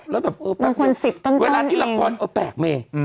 และเวลานี้ละครแปลกเม